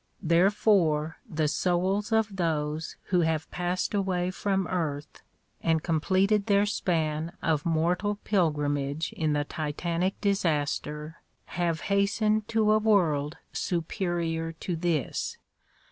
Therefore the souls of those who have passed away from earth and completed their span of mortal pil grimage in the " Titanic " disaster have hastened to a world superior to this.